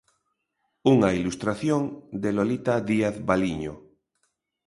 Unha ilustración de Lolita Díaz Baliño.